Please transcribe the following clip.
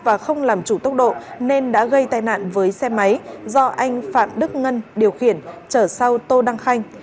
và không làm chủ tốc độ nên đã gây tai nạn với xe máy do anh phạm đức ngân điều khiển chở sau tô đăng khanh